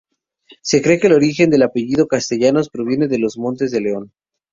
Se cree que el origen del apellido Castellanos proviene de los Montes de León.